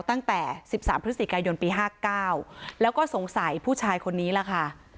ตั้งแต่๑๓พฤศจิกายนปี๕๙แล้วก็สงสัยผู้ชายคนนี้ล่ะค่ะ